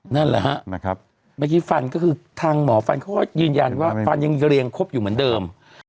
นั่นแหละฮะนะครับเมื่อกี้ฟันก็คือทางหมอฟันเขาก็ยืนยันว่าฟันยังเรียงครบอยู่เหมือนเดิม